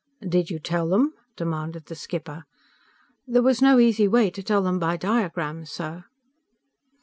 "Did you tell them?" demanded the skipper. "There was no easy way to tell them by diagrams, sir."